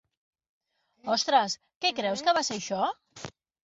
Ostres que creus que va ser això?